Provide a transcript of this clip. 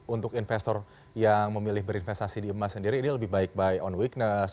untuk investor yang memilih berinvestasi di emas sendiri ini lebih baik by on weakness